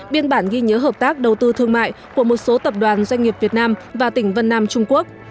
biên bản ghi nhớ hợp tác đầu tư thương mại của một số tập đoàn doanh nghiệp việt nam và tỉnh vân nam trung quốc